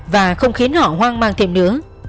và không khiến họ hoang mang thêm nữa